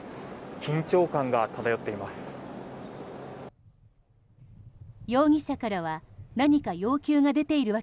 緊張感が漂っています。